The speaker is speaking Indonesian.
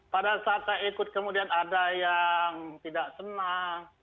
pada saat saya ikut kemudian ada yang tidak senang